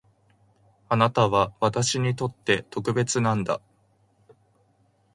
あなたは私にとって特別なんだ